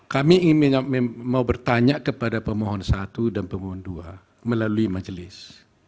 kami mau bertanya kepada pemohon satu dan pemohon dua melalui majelis